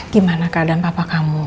gimana keadaan papa kamu